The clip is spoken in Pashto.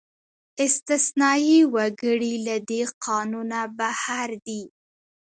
استثنايي وګړي له دې قانونه بهر دي.